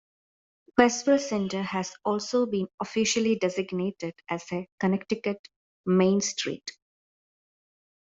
Westville Center has also been officially designated as a "Connecticut Main Street".